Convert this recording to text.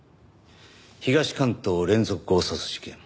東関東連続強殺事件。